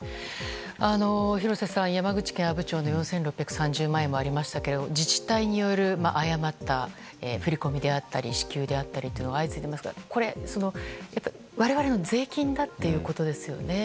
廣瀬さん、山口県阿武町の４６３０万円もありますが自治体による誤った振り込みであったり支給が相次いでいますが我々の税金だということですよね。